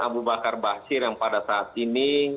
abu bakar basir yang pada saat ini